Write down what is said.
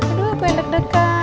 aduh aku yang deg degan